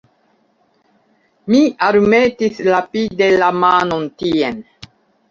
Mi almetis rapide la manon tien.